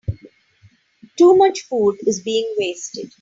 Too much food is being wasted.